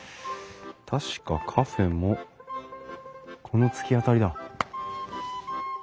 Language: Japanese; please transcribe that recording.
確かカフェもこの突き当たりだ。